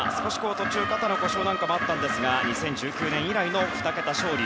途中、肩の故障なんかもあったんですが２０１９年以来の２桁勝利。